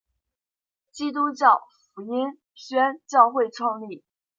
基督教福音宣教会创立。